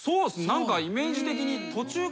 何かイメージ的に。